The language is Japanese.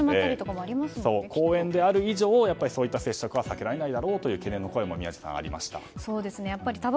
公園である以上そうした接触は避けられないだろうという懸念もありました。